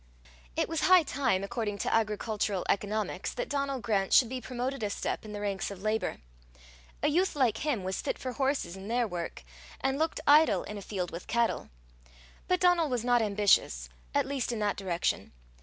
It was high time, according to agricultural economics, that Donal Grant should be promoted a step in the ranks of labour. A youth like him was fit for horses and their work, and looked idle in a field with cattle. But Donal was not ambitious, at least in that direction.